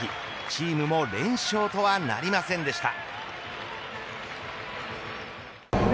チームも連勝とはなりませんでした。